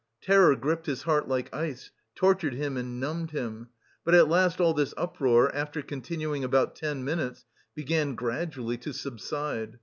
Terror gripped his heart like ice, tortured him and numbed him.... But at last all this uproar, after continuing about ten minutes, began gradually to subside.